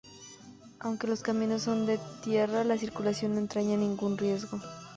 Aunque los caminos son de tierra, la circulación no entraña ningún riesgo.